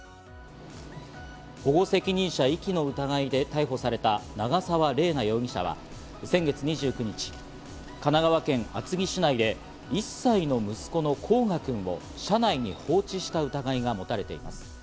保護責任者遺棄の疑いで逮捕された長沢麗奈容疑者は先月２１日、神奈川県厚木市内で１歳の息子の煌翔くんを車内に放置した疑いが持たれています。